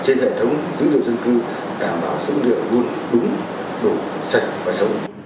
trên hệ thống dữ liệu dân cư đảm bảo sổ hộ khẩu luôn đúng đủ sạch và sống